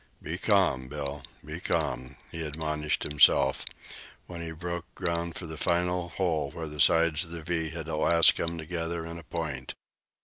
"Be ca'm, Bill; be ca'm," he admonished himself, as he broke ground for the final hole where the sides of the "V" had at last come together in a point.